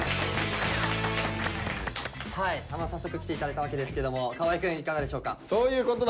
早速来て頂いたわけですけども河合くんいかがでしょうか？